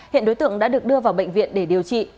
hiện đối tượng đã được đưa vào bệnh viện để điều trị